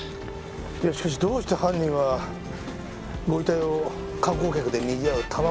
いやしかしどうして犯人はご遺体を観光客でにぎわう多摩